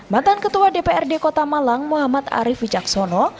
mantan ketua dprd kota malang muhammad arief wicaksono